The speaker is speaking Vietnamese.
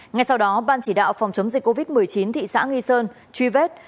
ngay sau đó ban chỉ đạo phòng chống dịch covid một mươi chín thị xã nghi sơn truy vết